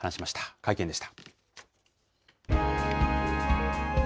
会見でした。